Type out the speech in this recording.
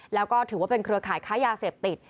แล้วก็ถือว่าเป็นเครือข่ายค้ายาเสพติด